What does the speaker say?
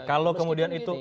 kalau kemudian itu